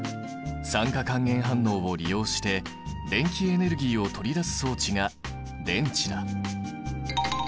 酸化還元反応を利用して電気エネルギーを取り出す装置が電池だ。